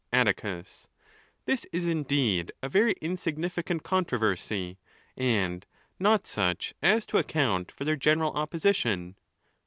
Atticus —This is indeed a very insignificant controversy, and not such as to account for their general opposition.